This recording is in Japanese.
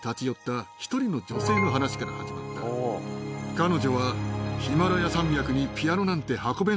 彼女は。